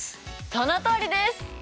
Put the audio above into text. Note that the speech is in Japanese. そのとおりです！